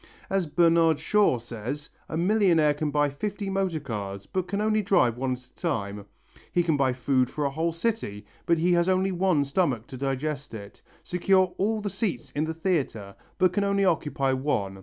As Bernard Shaw says, a millionaire can buy fifty motor cars but can only drive one at a time. He can buy food for a whole city but has only one stomach to digest it, secure all the seats in the theatre but can only occupy one, etc.